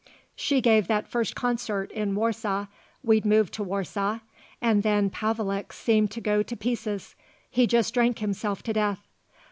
"She gave that first concert in Warsaw we'd moved to Warsaw and then Pavelek seemed to go to pieces. He just drank himself to death.